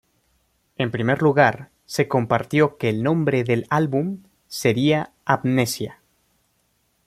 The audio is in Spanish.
En primer lugar se compartió que el nombre del álbum sería "Amnesia".